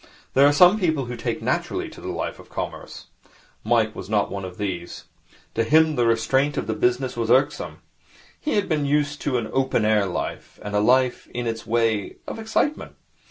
There are some people who take naturally to a life of commerce. Mike was not of these. To him the restraint of the business was irksome. He had been used to an open air life, and a life, in its way, of excitement.